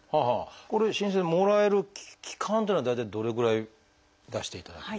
これ申請でもらえる期間っていうのは大体どれぐらい出していただける。